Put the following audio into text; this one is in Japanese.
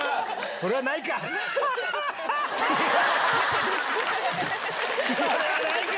それはないか。